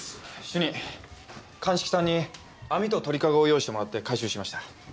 主任鑑識さんに網と鳥籠を用意してもらって回収しました。